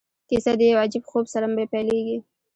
کیسه د یو عجیب خوب سره پیلیږي.